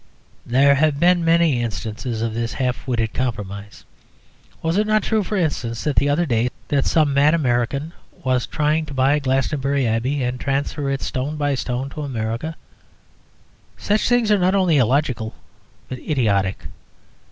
There have been many instances of this half witted compromise. Was it not true, for instance, that the other day some mad American was trying to buy Glastonbury Abbey and transfer it stone by stone to America? Such things are not only illogical, but idiotic.